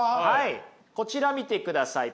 こちら見てください。